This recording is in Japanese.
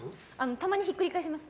たまにひっくり返します。